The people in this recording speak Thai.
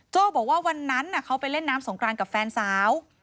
บอกว่าวันนั้นเขาไปเล่นน้ำสงกรานกับแฟนสาว